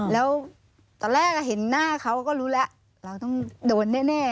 แล้วตอนแรกเห็นหน้าเขาก็รู้แล้วเราต้องโดนแน่